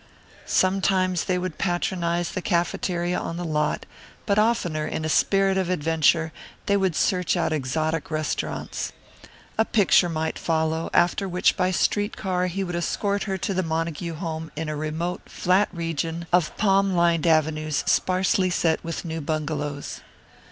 Sometimes they would patronize the cafeteria on the lot, but oftener, in a spirit of adventure, they would search out exotic restaurants. A picture might follow, after which by street car he would escort her to the Montague home in a remote, flat region of palm lined avenues sparsely set with new bungalows.